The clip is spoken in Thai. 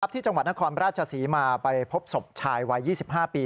ที่จังหวัดนครราชศรีมาไปพบศพชายวัย๒๕ปี